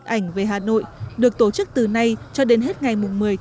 bức ảnh về hà nội được tổ chức từ nay cho đến hết ngày một mươi một mươi